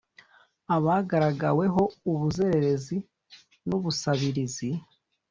abagaragaweho ubuzererezi nu ubusabirizi